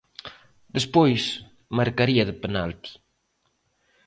Despois, marcaría de penalti.